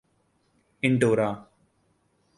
Andorra